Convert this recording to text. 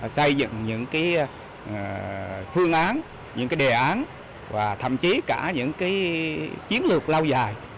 xây dựng những cái phương án những cái đề án và thậm chí cả những cái chiến lược lao dài